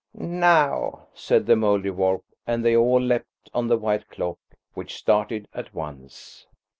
"Now!" said the Mouldiwarp, and they all leapt on the white clock, which started at once.